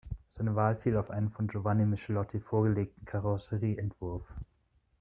Seine Wahl fiel auf einen von Giovanni Michelotti vorgelegten Karosserie-Entwurf.